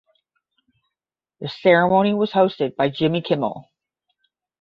The ceremony was hosted by Jimmy Kimmel.